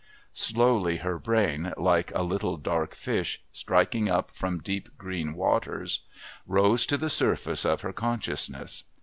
Slowly her brain, like a little dark fish striking up from deep green waters, rose to the surface of her consciousness.